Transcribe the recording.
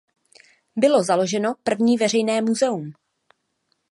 Bylo založeno první veřejné muzeum.